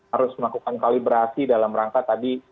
harus melakukan kalibrasi dalam rangka tadi